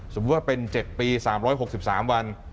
สมมุติว่าเป็น๗ปี๓๖๓วัน